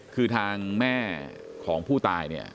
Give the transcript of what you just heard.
คือทางแม่ความผู้ตาย